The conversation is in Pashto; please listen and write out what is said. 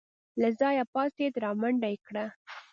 له ځايه پاڅېد رامنډه يې کړه.